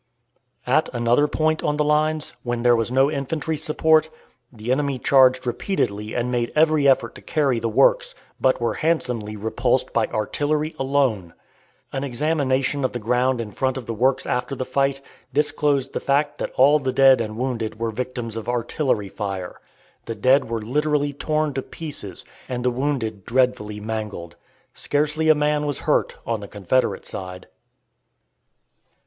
At another point on the lines, where there was no infantry support, the enemy charged repeatedly and made every effort to carry the works, but were handsomely repulsed by artillery alone. An examination of the ground in front of the works after the fight, disclosed the fact that all the dead and wounded were victims of artillery fire. The dead were literally torn to pieces, and the wounded dreadfully mangled. Scarcely a man was hurt on the Confederate side.